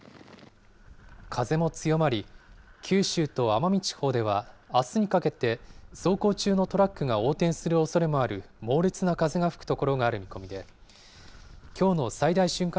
風も強まり、九州と奄美地方ではあすにかけて走行中のトラックが横転するおそれもある、猛烈な風が吹く所がある見込みで、きょうの最大瞬間